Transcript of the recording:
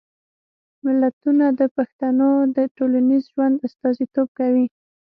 متلونه د پښتنو د ټولنیز ژوند استازیتوب کوي